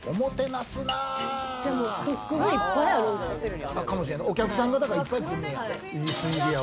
ストックがいっぱいあるんじゃないですか？